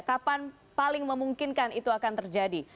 kapan paling memungkinkan itu akan terjadi